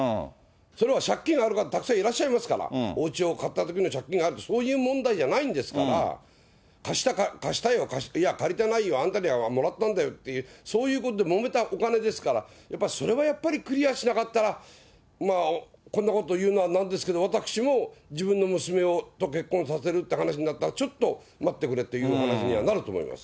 それは借金がある方、たくさんいらっしゃいますから、おうちを買ったときの借金があるとか、そういう問題じゃないんですから、貸したよ、いや借りてないよ、あの金はもらったんだよとか、そういうことでもめたお金ですから、やっぱりそれはやっぱり、クリアしなかったら、こんなこと言うのはなんですけれども、私も、自分の娘と結婚させるって話になったら、ちょっと待ってくれっていうような感じにはなると思います。